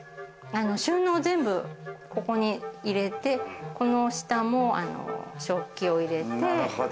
収納を全部ここに入れて、この下も食器を入れて。